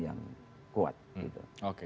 yang kuat gitu